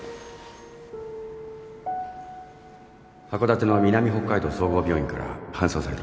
函館の南北海道総合病院から搬送されてきました